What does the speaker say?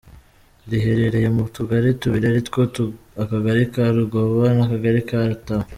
Riherereye mu tugari tubiri aritwo akagari ka Rugoba n’akagari ka Taba.